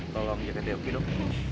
bawa kamu jaga dia oki dong